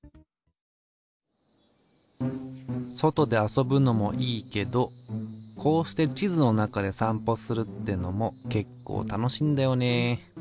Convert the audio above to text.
外で遊ぶのもいいけどこうして地図の中で散歩するってのも結構楽しいんだよね。